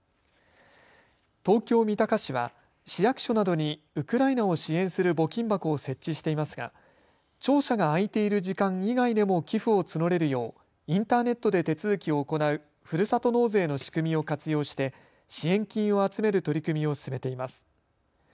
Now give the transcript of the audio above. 東京三鷹市は市役所などにウクライナを支援する募金箱を設置していますが庁舎が開いている時間以外でも寄付を募れるようインターネットで手続きを行いふるさと納税の仕組みを活用して支援金を集める取り組みを進めています。